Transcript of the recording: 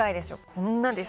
こんなです。